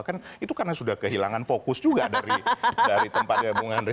kan itu karena sudah kehilangan fokus juga dari tempatnya bung andre